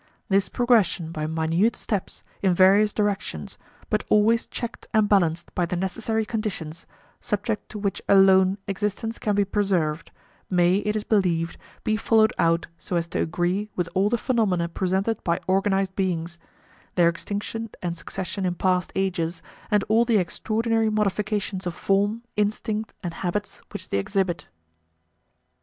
This progression, by minute steps, in various directions, but always checked and balanced by the necessary conditions, subject to which alone existence can be preserved, may, it is believed, be followed out so as to agree with all the phenomena presented by organized beings, their extinction and succession in past ages, and all the extraordinary modifications of form, instinct, and habits which they exhibit.